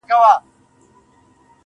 دوى ما اوتا نه غواړي.